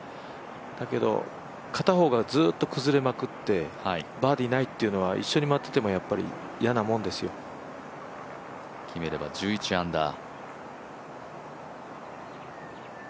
だけど、片方がずっと崩れまくってバーディーないっていうのは一緒に回ってももやっぱり嫌なもんですよ。決めれば１１アンダー。